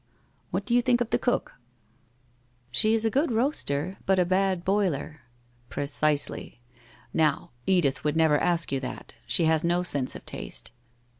What do you think of the cook ?'' She is a good roaster, but a bad boiler.' 1 Precisely. Now, Edith would never ask you that. She has no sense of taste.